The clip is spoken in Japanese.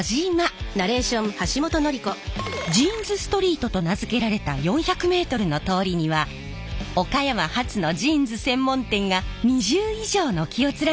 ジーンズストリートと名付けられた４００メートルの通りには岡山発のジーンズ専門店が２０以上軒を連ねています。